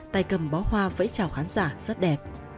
tay cầm bó hoa phẫy chào khán giả rất đẹp